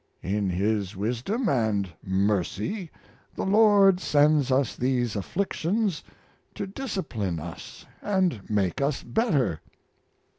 In His wisdom and mercy the Lord sends us these afflictions to discipline us and make us better."